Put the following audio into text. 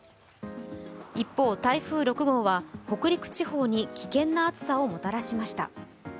一方、台風６号は北陸地方に危険な暑さをもたらしました。